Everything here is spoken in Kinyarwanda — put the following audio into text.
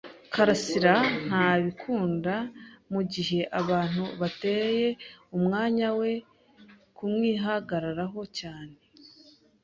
karasira ntabikunda mugihe abantu bateye umwanya we kumwihagararaho cyane.